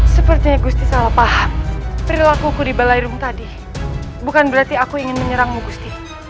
seperti gusti salah paham perilakuku di balairum tadi bukan berarti aku ingin menyerangmu gusti